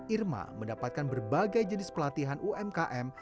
irma mendapatkan berbagai jenis pelatihan umkm